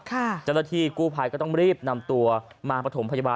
ครับเจนละทีกลูภัยก็ต้องรีบนำตัวมาผศมพยาบาล